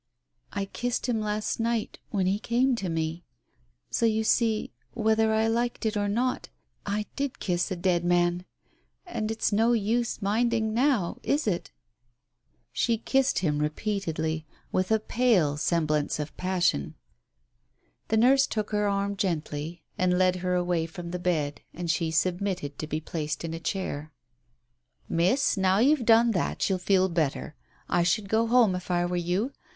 "I kissed him last night, when he came to me. ... So you see, whether I liked it or not, I did kiss a dead man 1 And it's no use minding now, is it ?" She kissed him repeatedly, with a pale semblance of passion. The nurse took her arm gently and led her away Digitized by Google THE TELEGRAM 33 from the bed, and she submitted to be placed in a chair. "Miss, now you've done that, you'll feel better. I should go home if I were you.